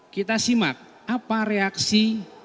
kita simak apa reaksi